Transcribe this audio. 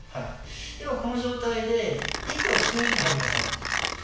今この状態で息をふっと吐いてください。